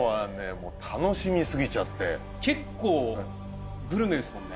もう楽しみ過ぎちゃって結構グルメですもんね